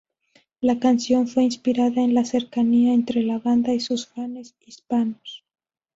La canción fue inspirada en la cercanía entre la banda y sus fanes hispanos.